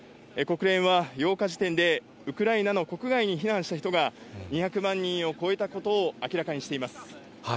国連は８日時点で、ウクライナの国外に避難した人が、２００万人を超えたことを明らかにしています。